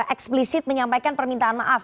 eksplisit menyampaikan permintaan maaf